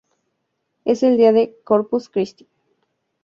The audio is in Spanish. Es el día de Corpus Cristi.